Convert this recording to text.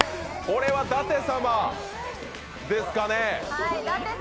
これは舘様ですかね。